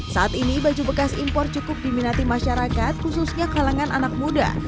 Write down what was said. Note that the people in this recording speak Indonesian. saat ini baju bekas impor cukup diminati masyarakat khususnya kalangan anak muda